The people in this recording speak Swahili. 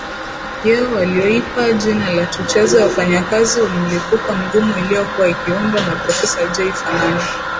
yao waliyoipa jina la Tucheze wafanyakazi mlipuko mgumu iliyokuwa ikiundwa na Profesa Jay Fanani